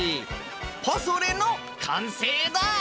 ポソレの完成だ！